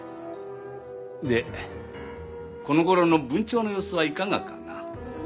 でこのごろの文鳥の様子はいかがかな？